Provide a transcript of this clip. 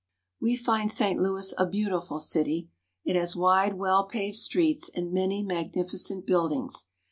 We find St. Louis a beautiful city. It has wide, well paved streets and many magnificent buildings.